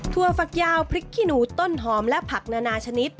ฝักยาวพริกขี้หนูต้นหอมและผักนานาชนิด